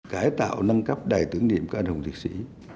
cải tạo nâng cấp đài tưởng niệm các anh hùng liệt sĩ